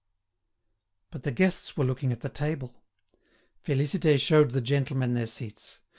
But the guests were looking at the table. Félicité showed the gentlemen their seats.